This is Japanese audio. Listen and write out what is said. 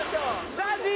ＺＡＺＹ！